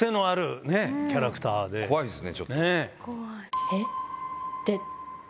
怖いですね。